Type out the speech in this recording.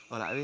ở lại đi